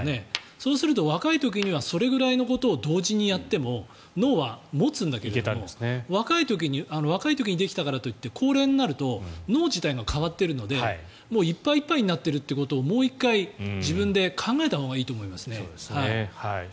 そうすると、若い時にはそれぐらいのことを同時にやっても脳は持つんだけれども若い時にできたからといって高齢になると脳自体が変わっているので高齢者の事故が増えているということをお伝えしております。